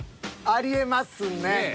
ありえますね。